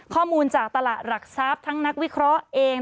ข้อมูลจากตลาดหลักทรัพย์ทั้งนักวิเคราะห์เอง